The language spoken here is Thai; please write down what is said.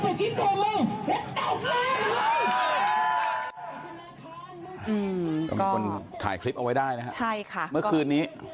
ก็มีคนถ่ายคลิปเอาไว้ได้นะครับเมื่อคืนนี้ใช่ค่ะ